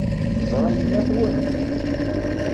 Teẓra yemma-twent?